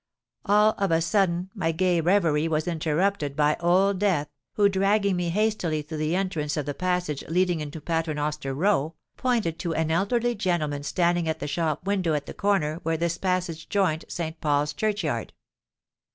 All on a sudden my gay reverie was interrupted by Old Death, who, dragging me hastily to the entrance of a passage leading into Paternoster Row, pointed to an elderly gentleman standing at a shop window at the corner where this passage joined St. Paul's Churchyard.